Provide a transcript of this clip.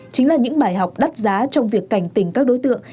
chính là những bài học đắt giá trong việc cảnh tỉnh các đối tượng